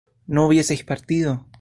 no hubieseis partido